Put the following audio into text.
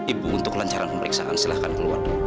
ibu untuk lancaran pemeriksaan silahkan keluar